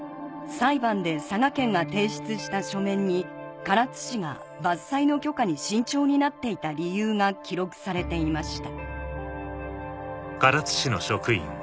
裁判で佐賀県が提出した書面に唐津市が伐採の許可に慎重になっていた理由が記録されていました